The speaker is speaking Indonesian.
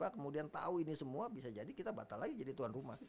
kemudian tahu ini semua bisa jadi kita batal lagi jadi tuan rumah